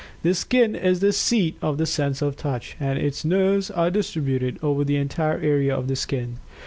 The skin is the seat of the sense of Touch, and its nerves are distributed over the entire area of the skin.